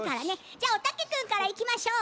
じゃあおたけくんからいきましょう！